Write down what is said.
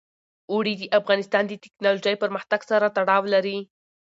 اوړي د افغانستان د تکنالوژۍ پرمختګ سره تړاو لري.